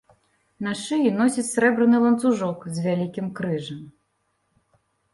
На шыі носіць срэбраны ланцужок з вялікім крыжам.